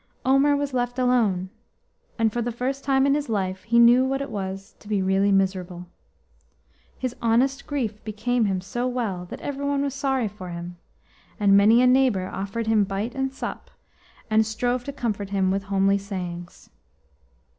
Omer was left alone, and for the first time in his life he knew what it was to be really miserable. His honest grief became him so well that every one was sorry for him, and many a neighbour offered him bite and sup, and strove to comfort him with homely sayings.